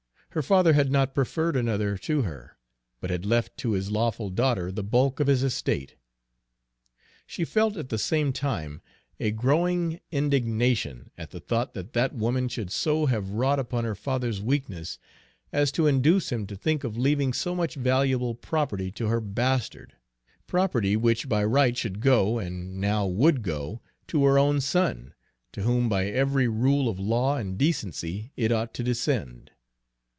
Her father had not preferred another to her, but had left to his lawful daughter the bulk of his estate. She felt at the same time a growing indignation at the thought that that woman should so have wrought upon her father's weakness as to induce him to think of leaving so much valuable property to her bastard, property which by right should go, and now would go, to her own son, to whom by every rule of law and decency it ought to descend.